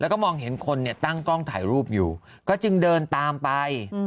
แล้วก็มองเห็นคนเนี่ยตั้งกล้องถ่ายรูปอยู่ก็จึงเดินตามไป